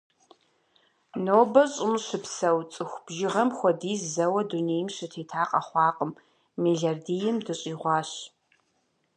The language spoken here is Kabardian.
Нобэ Щӏым щыпсэу цӏыху бжыгъэм хуэдиз зэуэ дунейм щытета къэхъуакъым – мелардийм дыщӏигъуащ.